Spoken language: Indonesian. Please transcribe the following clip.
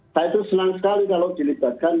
saya itu senang sekali kalau dilibatkan